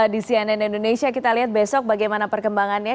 di cnn indonesia kita lihat besok bagaimana perkembangannya